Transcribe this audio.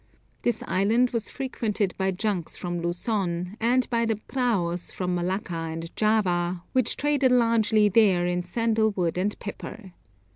This island was frequented by junks from Luzon, and by the "praos," from Malacca and Java, which traded largely there in sandal wood and pepper.